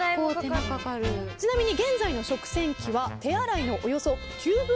ちなみに。